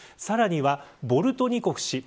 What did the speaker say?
さらにはボルトニコフ氏。